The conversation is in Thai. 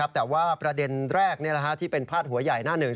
แต่ว่าประเด็นแรกที่เป็นภาษาหัวใหญ่